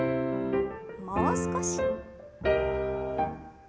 もう少し。